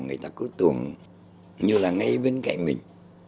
người ta cứ tuồng như là ngay bên cạnh mình